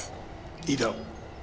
いいだろう。